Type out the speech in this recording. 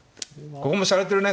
ここもしゃれてるね